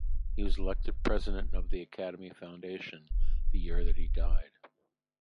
He was elected President of the Academy Foundation the year that he died.